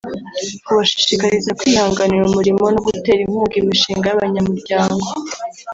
kubashishikariza kwihangira umurimo no gutera inkunga imishinga y’abanyamuryango